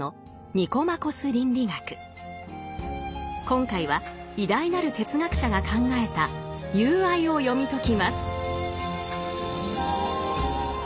今回は偉大なる哲学者が考えた「友愛」を読み解きます。